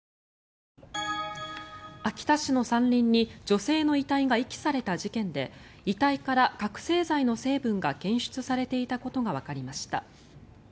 秋田市の山林に女性の遺体が遺棄された事件で遺体から覚醒剤の成分が検出されていたことがわかりました。